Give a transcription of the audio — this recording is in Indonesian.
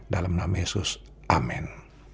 dalam nama yesus amen